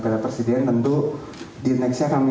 para pemenang pun mengaku pertandingan tahun ini